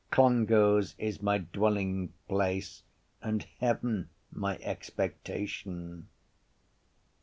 Clongowes is my dwellingplace And heaven my expectation.